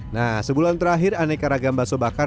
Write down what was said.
nah sebulan terakhir aneka ragam bakso bakar